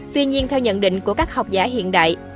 tuy nhiên theo nhận định của các học giả hiện đại